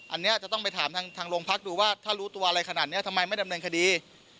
อันนี้จะต้องไปถามทางโรงพักดูว่าถ้ารู้ตัวอะไรขนาดนี้ทำไมไม่ดำเนินคดี